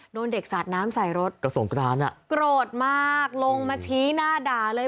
โดนเด็กสาดน้ำใส่รถโกรธมากลงมาชี้หน้าด่าเลย